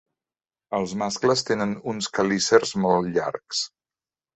Els mascles tenen uns quelícers molt llargs.